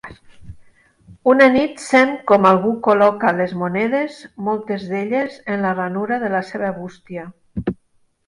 Una nit sent com algú col·loca les monedes, moltes d'elles, en la ranura de la seva bústia.